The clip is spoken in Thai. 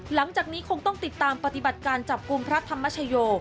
หลังจากนี้คงต้องติดตามปฏิบัติการจับกลุ่มพระธรรมชโย